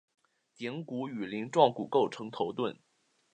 顶骨与鳞状骨构成头盾。